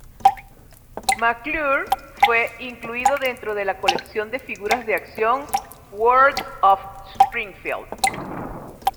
McClure fue incluido dentro de la colección de figuras de acción "World of Springfield".